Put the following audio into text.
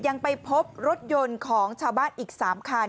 ยังไปพบรถยนต์ของชาวบ้านอีก๓คัน